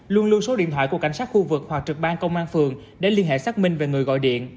luôn lưu số điện thoại của cảnh sát khu vực hoặc trực ban công an phường để liên hệ xác minh về người gọi điện